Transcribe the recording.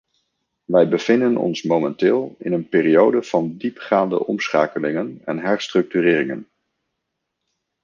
Wij bevinden ons momenteel in een periode van diepgaande omschakelingen en herstructureringen.